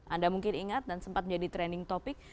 anda mungkin ingat dan sempat menjadi trending topic